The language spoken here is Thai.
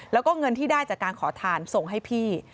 แล้วก็เงินที่ได้จากการขอทานส่งให้พี่